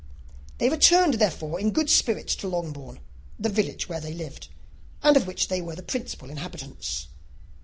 They returned, therefore, in good spirits to Longbourn, the village where they lived, and of which they were the principal inhabitants.